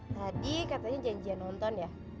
tadi katanya janjian nonton ya